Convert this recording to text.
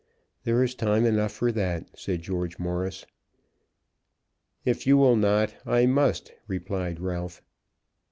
"There is time enough for that," said George Morris. "If you will not I must," replied Ralph.